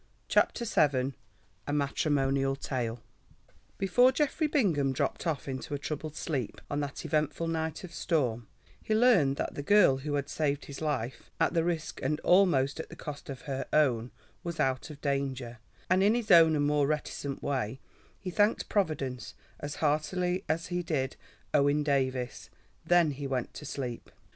CHAPTER VII. A MATRIMONIAL TALE Before Geoffrey Bingham dropped off into a troubled sleep on that eventful night of storm, he learned that the girl who had saved his life at the risk and almost at the cost of her own was out of danger, and in his own and more reticent way he thanked Providence as heartily as did Owen Davies. Then he went to sleep.